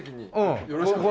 よろしくお願いします。